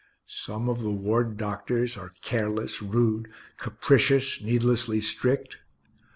Some of the ward doctors are careless, rude, capricious, needlessly strict.